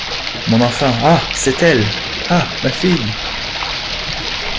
Mon enfant! ah ! c’est elle ! ah ! ma fille !